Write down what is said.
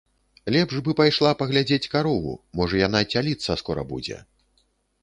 Лепш бы пайшла паглядзець карову, можа яна цяліцца скора будзе.